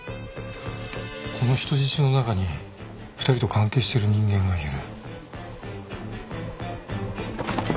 この人質の中に２人と関係してる人間がいる。